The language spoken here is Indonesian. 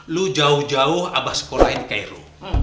lu jauh jauh abah sekolahin di kairu